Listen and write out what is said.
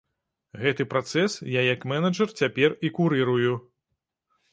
Гэты працэс я як менеджэр цяпер і курырую.